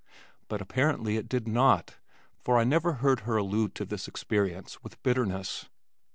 But apparently it did not, for I never heard her allude to this experience with bitterness.